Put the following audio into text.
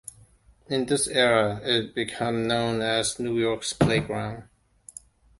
In this era, it became known as "New York's Playground".